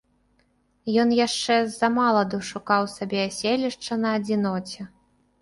Ён яшчэ ззамаладу шукаў сабе аселішча на адзіноце.